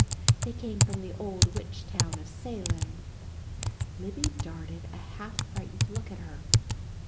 They came from the old witch town of Salem." Libby darted a half frightened look at her.